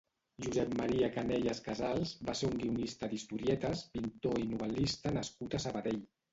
Josep Maria Canellas Casals va ser un guionista d'historietes, pintor i novel·lista nascut a Sabadell.